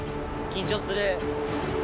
緊張する。